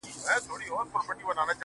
پاچا صفا ووت، ه پکي غل زه یم~